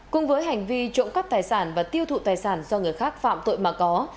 cùng với hành vi trộm cắp tài sản và tiêu thụ tài sản do người khác phạm tội mà có